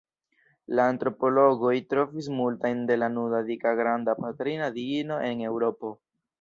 La antropologoj trovis multajn de la nuda dika Granda Patrina Diino en Eŭropo.